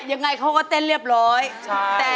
พ่อเชื่อมันในตัวลูกพ่อได้